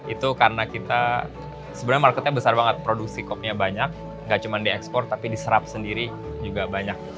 itu karena kita sebenarnya marketnya besar banget produksi kopnya banyak nggak cuma diekspor tapi diserap sendiri juga banyak